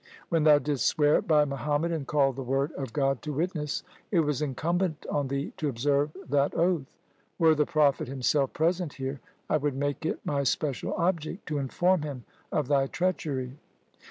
When thou didst swear by Muhammad and called the word of God to witness, it was incumbent on thee to observe that oath. Were the Prophet himself present here, I would make it my special object to inform him of thy treachery.